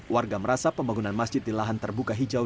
warga merasa pembangunan masjid di lahan terbuka hijau